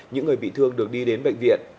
những người bị thương được đi đến bệnh viện